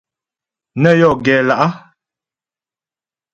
Nə́ yɔ gɛ lá'.